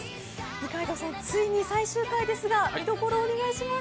二階堂さん、ついに最終回ですが、見どころをお願いします。